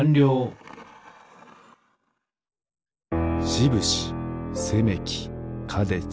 しぶしせめきかでち。